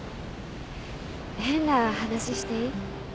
変な話していい？